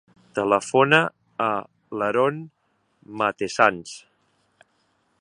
Telefona a l'Haron Matesanz.